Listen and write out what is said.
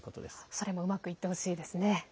それもうまくいってほしいですね。